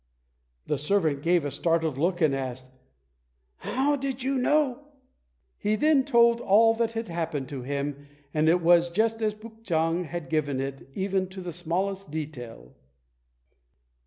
The servant gave a startled look, and asked, "How do you know?" He then told all that had happened to him, and it was just as Puk chang had given it even to the smallest detail.